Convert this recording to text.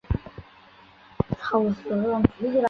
梅庵位于中国广东省肇庆市端州区城西的梅庵岗上。